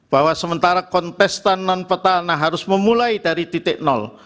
bahwa sementara kontestan non petahana harus memulai dari titik nol